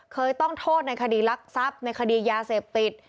เคยต้องโทษในคดีรักทรัพย์ในคดียาเสพติด